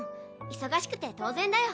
忙しくて当然だよ。